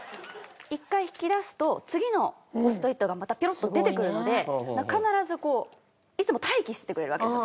一回引き出すと次のポストイットがまたピロッと出てくるので必ずこういつも待機しててくれるわけですよ